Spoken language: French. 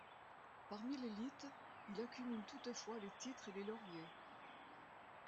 Parmi l’élite, il accumule toutefois les titres et les lauriers.